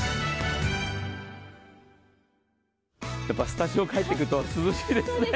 スタジオ帰ってくると涼しいですね。